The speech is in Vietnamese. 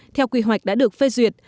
theo quy hoạch đã được phê duyệt